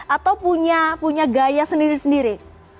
atau punya gaya sendiri sendiri